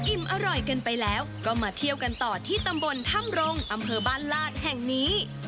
อร่อยกันไปแล้วก็มาเที่ยวกันต่อที่ตำบลถ้ำรงอำเภอบ้านลาดแห่งนี้